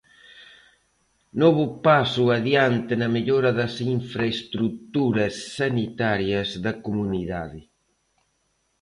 Novo paso adiante na mellora das infraestruturas sanitarias da comunidade.